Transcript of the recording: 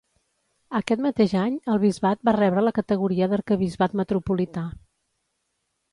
Aquest mateix any, el bisbat va rebre la categoria d'arquebisbat metropolità.